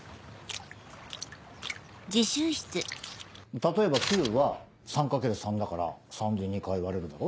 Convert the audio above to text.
例えば９は３×３だから３で２回割れるだろ？